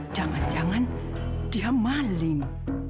jangan jangan dia maling